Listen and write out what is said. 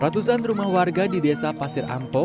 ratusan rumah warga di desa pasir anto